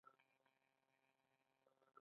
پیشنھاد د غوښتنې رسمي بڼه ده